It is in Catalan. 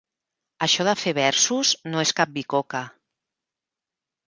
Això de fer versos no és cap bicoca.